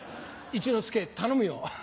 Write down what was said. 一之輔頼むよ。